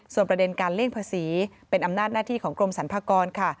ประเด็นการเลี่ยงภาษีเป็นอำนาจหน้าที่ของกรมสรรพากรค่ะ